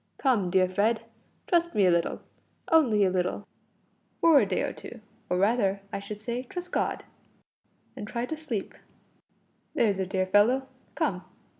Come, dear Fred, trust me a little only a little for a day or two, or rather, I should say, trust God, and try to sleep. There's a dear fellow come."